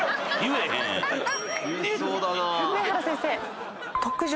上原先生。